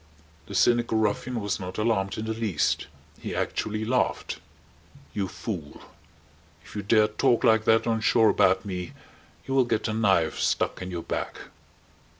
The cynical ruffian was not alarmed in the least. He actually laughed. "You fool, if you dare talk like that on shore about me you will get a knife stuck in your back.